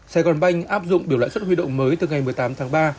sài gòn banh áp dụng biểu lãi suất huy động mới từ ngày một mươi tám tháng ba